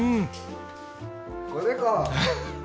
これか。